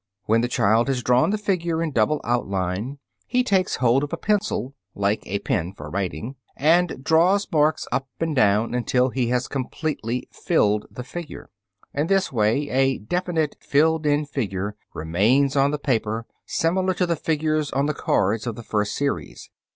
When the child has drawn the figure in double outline, he takes hold of a pencil "like a pen for writing," and draws marks up and down until he has completely filled the figure. In this way a definite filled in figure remains on the paper, similar to the figures on the cards of the first series.